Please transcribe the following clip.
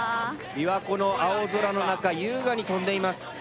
琵琶湖の青空の中優雅に飛んでいます。